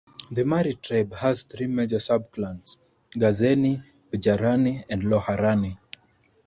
The Marri tribe has three major sub-clans; Gazeni, Bijarani and Loharani.